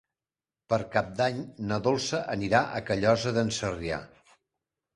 Per Cap d'Any na Dolça anirà a Callosa d'en Sarrià.